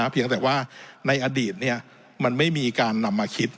เพียงแต่ว่าในอดีตมันไม่มีการนำมาคิด